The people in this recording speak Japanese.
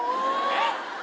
えっ！？